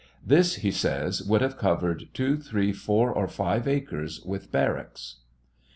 This, he says, would have covered two, three, four, or five acres with barracks.